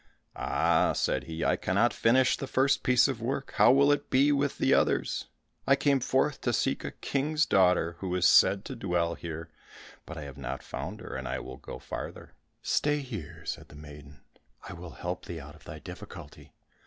"Ah," said he, "I cannot finish the first piece of work, how will it be with the others? I came forth to seek a king's daughter who is said to dwell here, but I have not found her, and I will go farther." "Stay here," said the maiden, "I will help thee out of thy difficulty.